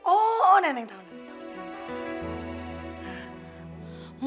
oh nenek tahu nenek tahu